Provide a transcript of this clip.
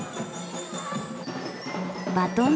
バトン